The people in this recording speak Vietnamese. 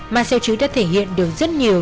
mà xeo chứ đã thể hiện được rất nhiều